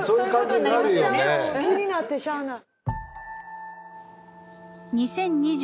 気になってしゃあない。